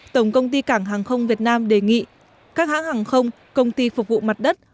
tổng công ty cảng hàng không việt nam đề nghị các hãng hàng không công ty phục vụ mặt đất